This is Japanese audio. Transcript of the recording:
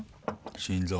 心臓。